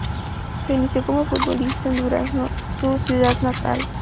Se inició como futbolista en Durazno, su ciudad natal.